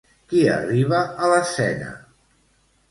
Qui arriba a l'escena?